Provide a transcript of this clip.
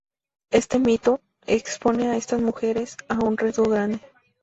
Este mito expone a estas mujeres a un riesgo grande.